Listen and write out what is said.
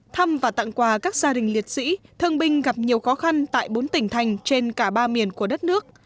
thăm và tặng quà các gia đình liệt sĩ thương binh gặp nhiều khó khăn tại bốn tỉnh thành trên cả ba miền của đất nước